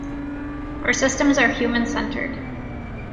Our systems are human-centred.